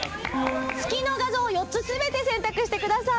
月の画像を４つ全て選択してください。